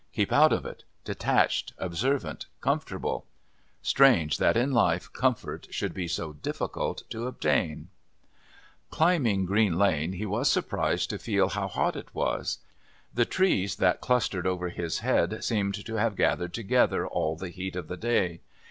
Keep out of it, detached, observant, comfortable. Strange that in life comfort should be so difficult to attain! Climbing Green Lane he was surprised to feel how hot it was. The trees that clustered over his head seemed to have gathered together all the heat of the day.